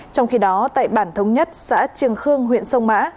trong khi đó tại bản thống nhất xã trường khương huyện sông mã